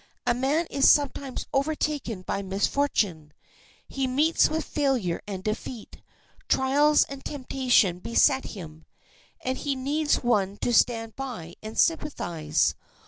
A man is sometimes overtaken by misfortune; he meets with failure and defeat, trials and temptation beset him, and he needs one to stand by and sympathize.